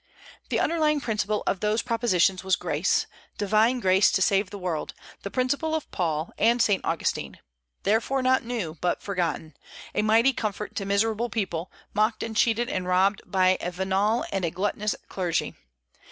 The underlying principle of those propositions was grace, divine grace to save the world, the principle of Paul and Saint Augustine; therefore not new, but forgotten; a mighty comfort to miserable people, mocked and cheated and robbed by a venal and a gluttonous clergy.